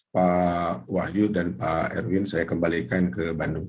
pak wahyu dan pak erwin saya kembalikan ke bandung